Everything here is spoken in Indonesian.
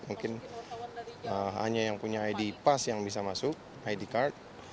mungkin hanya yang punya id pass yang bisa masuk id card